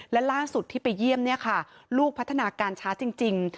และล่าสุดที่ไปเยี่ยมเนี่ยค่ะลูกพัฒนาการช้าจริง